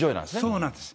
そうなんです。